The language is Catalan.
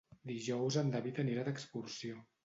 Dijous en David anirà d'excursió.